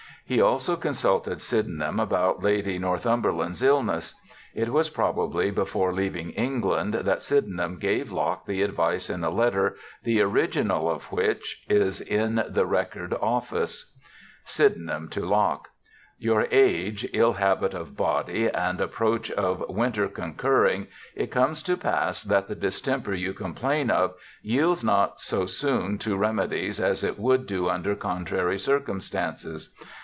He also consulted Sydenham about Lady Northumberland's illness. It was probably before leaving England that Sydenham gave Locke the advice in a letter, the original of which is in the Record Office. * Sydenham to Locke. — Your age, ill habitt of body and approach of winter concurring, it comes to pass that the distemper you complaine of yealds not so soone to remedies as it would do under contrary circumstances.